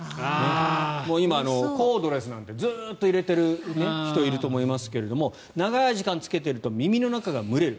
今、コードレスなんてずっと入れている人いると思いますけど長い時間つけてると耳の中が蒸れる。